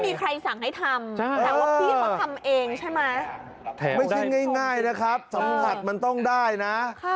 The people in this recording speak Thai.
ไม่ง่ายนะครับสัมผัสก็ได้นะ